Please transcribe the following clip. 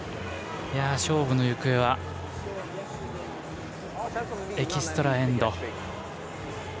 勝負の行方はエキストラ・エンド。